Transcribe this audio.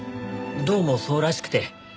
どうもそうらしくて。